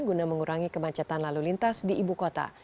guna mengurangi kemacetan lalu lintas di ibu kota